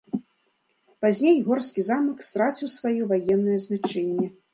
Пазней горскі замак страціў сваё ваеннае значэнне.